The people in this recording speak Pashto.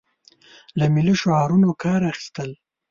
له ملي شعارونو کار اخیستل.